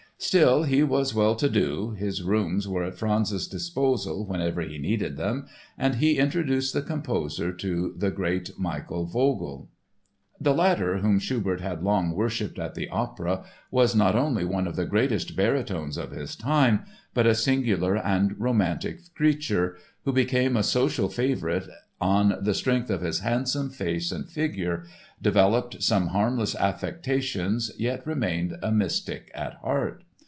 Still, he was well to do, his rooms were at Franz's disposal whenever he needed them and he introduced the composer to the great Michael Vogl. The latter, whom Schubert had long worshipped at the opera, was not only one of the greatest baritones of his time, but a singular and romantic creature, who became a social favorite on the strength of his handsome face and figure, developed some harmless affectations yet remained a mystic at heart.